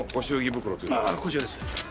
ああこちらです。